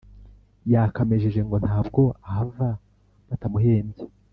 yakamejeje ngo ntabwo ahava batamuhembye